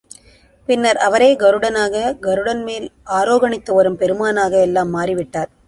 பின்னர் அவரே கருடனாக, கருடன் மேல் ஆரோ கணித்து வரும் பெருமானாக எல்லாம் மாறி விட்டார்.